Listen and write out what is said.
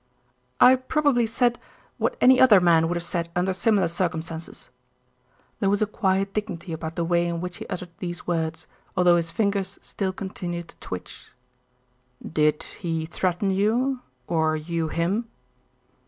"I probably said what any other man would have said under similar circumstances." There was a quiet dignity about the way in which he uttered these words, although his fingers still continued to twitch. "Did he threaten you, or you him?"